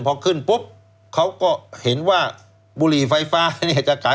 พอขึ้นปุ๊บเขาก็เห็นว่าบุหรี่ไฟฟ้าเนี่ยจะขาย